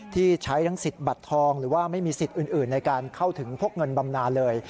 ที่ใช้ทั้งสิทธิ์บัตรทองหรือว่าไม่มีสิทธิ์อื่นในการเข้าถึงพวกเงินบำนานเลย